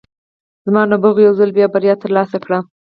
زما نبوغ یو ځل بیا بریا ترلاسه کړه